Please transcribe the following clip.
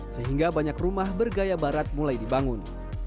sehingga banyak rumah bergaya barat mulai dibangun